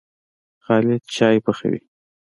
خالد چايي پخوي.